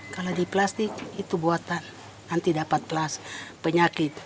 kalau di plastik itu buatan nanti dapat kelas penyakit